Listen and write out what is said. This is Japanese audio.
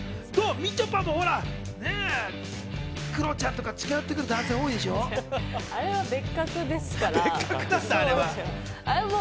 みちょぱもほら、クロちゃんとか近寄ってくる男性多いでしょう？